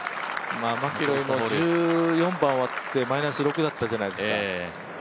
マキロイも１４番終わって、マイナス６だったじゃないですか。